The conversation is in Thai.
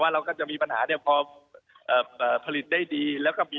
ราคารสลดลงครับ